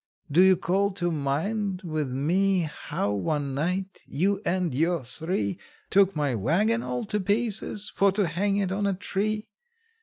Do you call to mind with me How, one night, you and your three Took my wagon all to pieces for to hang it on a tree?